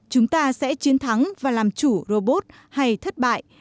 chúng ta sẽ chiến thắng và làm chủ robot hay thất bại